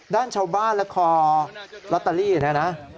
ด้านชาวบ้านละครลอตเตอรี่นะครับ